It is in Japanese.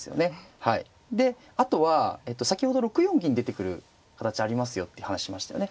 であとは先ほど６四銀出てくる形ありますよって話しましたよね。